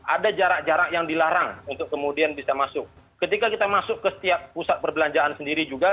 ada jarak jarak yang dilarang untuk kemudian bisa masuk ketika kita masuk ke setiap pusat perbelanjaan sendiri juga